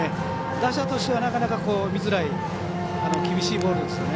打者としては、なかなか見づらい厳しいボールですよね。